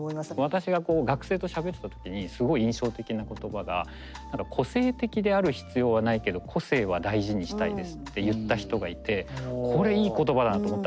私がこう学生としゃべってた時にすごい印象的な言葉が「個性的である必要はないけど個性は大事にしたいです」って言った人がいてこれいい言葉だと思ったんですよ。